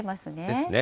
ですね。